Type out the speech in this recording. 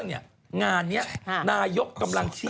จากธนาคารกรุงเทพฯ